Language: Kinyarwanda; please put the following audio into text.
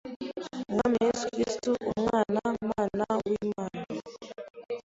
Umwami Yesu Kristo, Umwana-mana w’Imana,